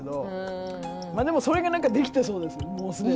でもそれができてそうですねもう既に。